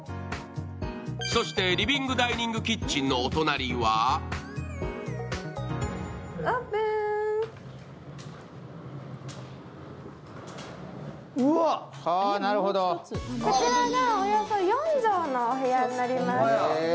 そして、リビングダイニングキッチンのお隣はこちらがおよそ４畳のお部屋になります。